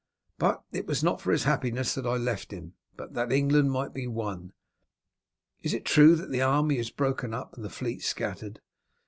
But it was not for his happiness that I left him, but that England might be one. Is it true that the army is broken up and the fleet scattered?"